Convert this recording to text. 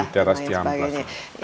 di teras cihamplas